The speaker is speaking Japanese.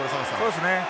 そうですね。